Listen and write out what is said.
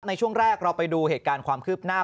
ในช่วงแรกเราไปดูเหตุการณ์ความคืบหน้า